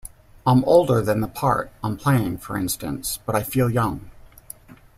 I'm older than the part I'm playing, for instance, but I feel young.